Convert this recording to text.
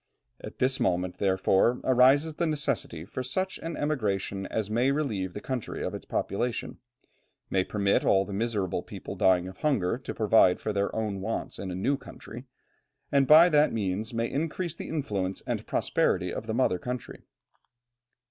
At this moment, therefore, arises the necessity for such an emigration as may relieve the country of its population, may permit all the miserable people dying of hunger to provide for their own wants in a new country, and by that means may increase the influence and prosperity of the mother country.